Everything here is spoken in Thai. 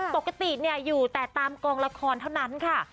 ปกติอยู่แต่ตามกองละครเท่านั้นค่ะ